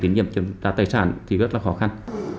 tín nhiệm trả tài sản thì rất là khó khăn